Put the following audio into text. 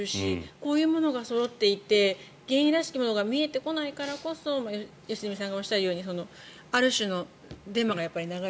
こういうものがそろっていて原因らしきものが見えてこないからこそ良純さんがおっしゃるようにある種のデマが流れて。